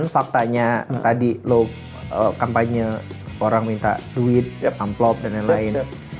faktanya tadi loh kampanye orang minta duit amplop dan lain lain